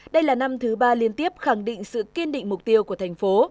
đây là năm thứ ba liên tiếp khẳng định sự kiên định mục tiêu của thành phố